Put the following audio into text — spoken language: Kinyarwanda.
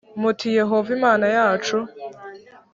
muti Yehova Imana yacu